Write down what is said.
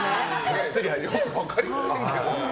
よく分かりませんけど。